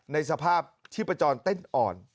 ในสภาพที่ประจอลเต้นอ่อน